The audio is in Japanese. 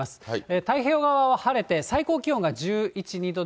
太平洋側は晴れて、最高気温が１１、２度で。